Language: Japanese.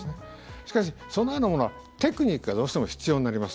しかし、そのようなものはテクニックがどうしても必要になります。